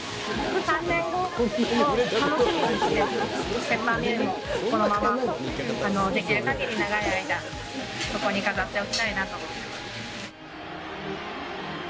３年後も楽しみにして、ペッパーミルもこのまま、できるかぎり長い間、ここに飾っておきたいなと思います。